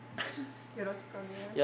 よろしくお願いします。